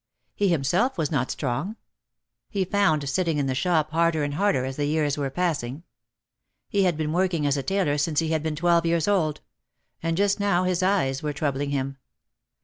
He himself was not strong. He found sitting in the shop harder and harder as the years were passing. He had been working as a tailor since he had been twelve years old. And just now his eyes were troubling him.